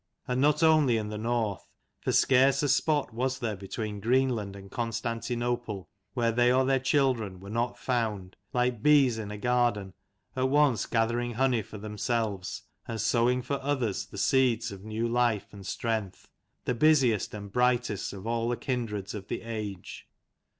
And not only in the North ; for scarce a spot was there beween Greenland and Constantinople where they or their children were not found, like bees in a garden, at once gathering honey for themselves, and sowing for others the seeds of new life and strength ; the busiest and brightest of all the kindreds of the age.